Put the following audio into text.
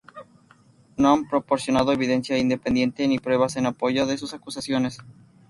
No han proporcionado evidencia independiente ni pruebas en apoyo de sus acusaciones".